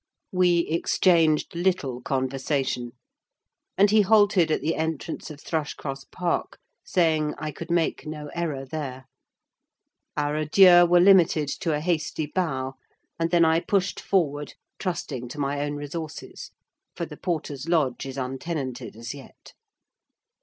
We exchanged little conversation, and he halted at the entrance of Thrushcross Park, saying, I could make no error there. Our adieux were limited to a hasty bow, and then I pushed forward, trusting to my own resources; for the porter's lodge is untenanted as yet.